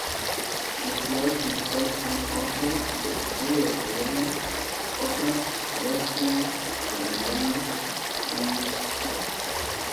Las ciudades principales son: Oslo, sede del gobierno; otras: Bergen, Trondheim y Stavanger.